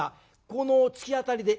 この突き当たりで？